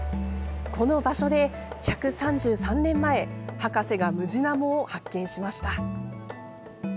この場所で、１３３年前博士がムジナモを発見しました。